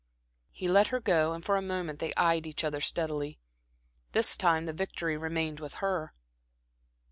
He let her go and for a moment they eyed each other steadily. This time the victory remained with her.